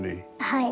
はい。